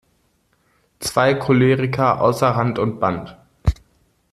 Zwei Choleriker außer Rand und Band!